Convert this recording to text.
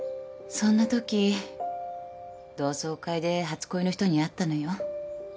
そんなとき同窓会で初恋の人に会ったのよ。